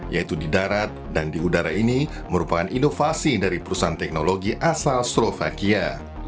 yaitu di darat dan di udara ini merupakan inovasi dari perusahaan teknologi asal slovakia